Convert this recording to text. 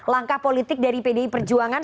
langkah politik dari pdi perjuangan